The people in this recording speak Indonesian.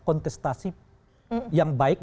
kontestasi yang baik